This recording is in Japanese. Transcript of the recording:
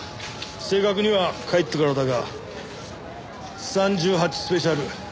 正確には帰ってからだが３８スペシャル。